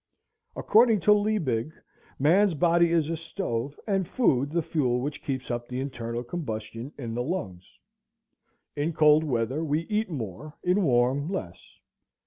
According to Liebig, man's body is a stove, and food the fuel which keeps up the internal combustion in the lungs. In cold weather we eat more, in warm less.